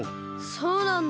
そうなんだ。